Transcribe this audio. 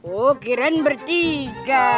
oh kirain bertiga